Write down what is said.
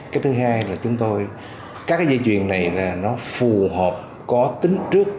cái thứ hai là chúng tôi các dây chuyền này nó phù hợp có tính trước